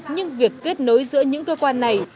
nhưng việc kết nối giữa những cơ quan này